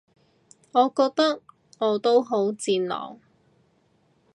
我覺得我都好戰狼